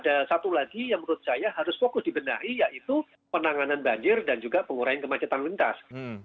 ada satu lagi yang menurut saya harus fokus dibenahi yaitu penanganan banjir dan juga pengurahan kemacetan lintas